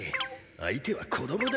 相手は子どもだ。